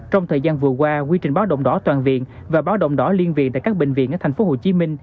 trong thời gian vừa qua quy trình báo động đỏ toàn viện và báo động đỏ liên viện tại các bệnh viện ở tp hcm